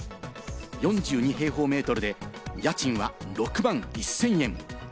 ４２平方メートルで、家賃は６万１０００円。